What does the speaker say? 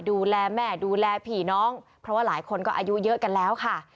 ดูแลแม่ดูแลผีน้องเพราะว่าหลายคนก็อายุเยอะกันแล้วค่ะ